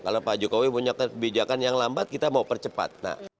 kalau pak jokowi punya kebijakan yang lambat kita mau percepat